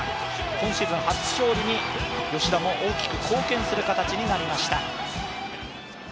今シーズン初勝利に吉田も大きく貢献する形になりました。